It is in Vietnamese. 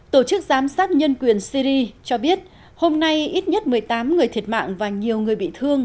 tổ chức giám sát nhân quyền syri cho biết hôm nay ít nhất một mươi tám người thiệt mạng và nhiều người bị thương